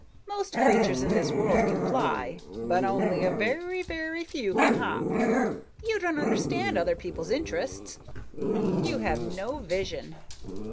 Most creatures in this world can fly, but only a very, very few can hop. You don't understand other people's interests. You have no vision.